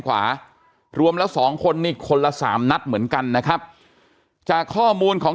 ขวารวมแล้วสองคนนี่คนละสามนัดเหมือนกันนะครับจากข้อมูลของ